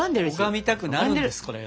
拝みたくなるんですこれが。